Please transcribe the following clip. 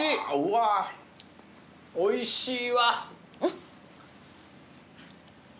おいしい。